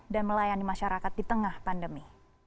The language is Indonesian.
melayani masyarakat di tengah pandemi